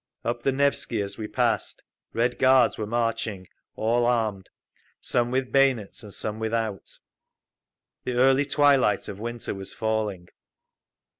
Up the Nevsky, as we passed, Red Guards were marching, all armed, some with bayonets and some without. The early twilight of winter was falling.